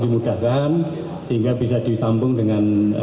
agar di slovenia berkurang ya